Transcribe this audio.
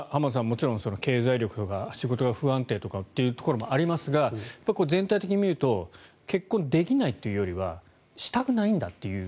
もちろん経済力とか仕事が不安定ということもありますが全体的にみると結婚できないというよりはしたくないんだという。